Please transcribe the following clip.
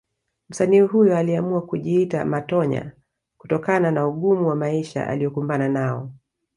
Msanii huyo aliamua kujiita Matonya kutokana na ugumu wa maisha aliokumbana nao